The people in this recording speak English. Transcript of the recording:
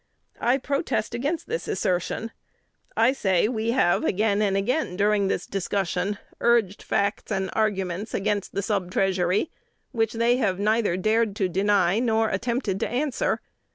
I protest against this assertion. I say we have again and again, during this discussion, urged facts and arguments against the Sub Treasury which they have neither dared to deny nor attempted to answer.